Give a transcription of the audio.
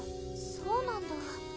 そうなんだ